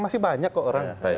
masih banyak kok orang